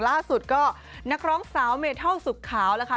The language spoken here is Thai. ล่าสุดก็นักร้องสาวเมทัลสุขขาวแล้วค่ะ